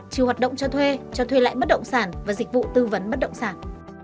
chiêu hoạt động cho thuê cho thuê lại mất động sản và dịch vụ tư vấn mất động sản